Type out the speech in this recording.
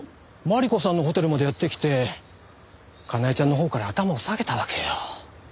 万里子さんのホテルまでやって来てかなえちゃんのほうから頭を下げたわけよ。